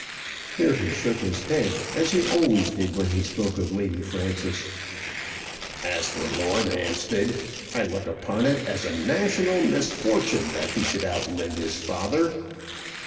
Here he shook his head, as he always did when he spoke of Lady Frances. "As for Lord Hampstead, I look upon it as a national misfortune that he should outlive his father."